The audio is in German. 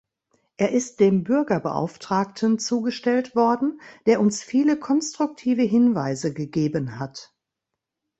Er ist dem Bürgerbeauftragten zugestellt worden, der uns viele konstruktive Hinweise gegeben hat.